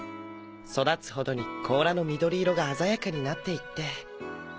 育つほどに甲羅の緑色が鮮やかになっていって。